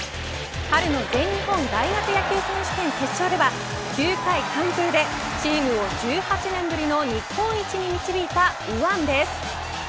春の全日本大学野球選手権決勝では９回完封でチームを１８年ぶりの日本一に導いた右腕です。